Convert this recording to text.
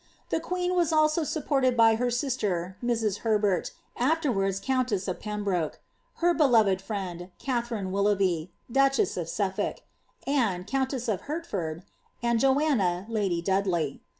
The queen «tf also supp(»rto(l by her si:>ter Mrs. Herbert, afterwards countess of Pe* broke : her beloved friend, Katharine Willontrhbv, duchess of SutTolk; Anne, countess ot' Hertford, and Joanna, lady Dudley.